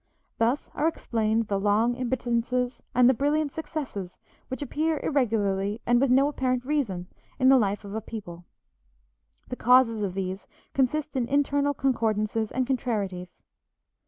Thus are explained the long impotences and the brilliant successes which appear irregularly and with no apparent reason in the life of a people; the causes of these consist in internal concordances and contrarieties.